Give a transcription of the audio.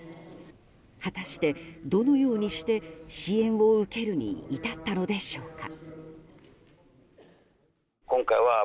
果たしてどのようにして支援を受けるに至ったのでしょうか。